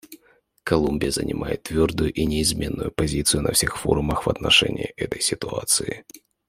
Колумбия занимает твердую и неизменную позицию на всех форумах в отношении этой ситуации.